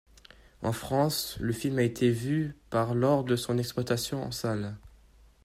En France, le film a été vu par lors de son exploitation en salle.